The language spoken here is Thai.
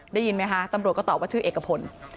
ได้ยินไหมคะตำรวจก็ตอบว่าชื่อเอกพล